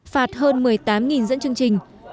phạt hơn một mươi tám dẫn chương trình